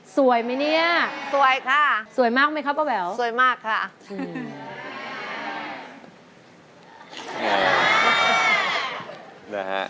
สวยไหมเนี่ยสวยค่ะสวยมากไหมคะป้าแววสวยมากค่ะ